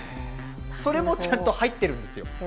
それもちゃんと入ってるんですよ。